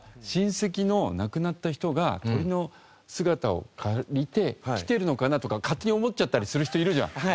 親戚の亡くなった人が鳥の姿を借りて来てるのかな？とか勝手に思っちゃったりする人いるじゃん。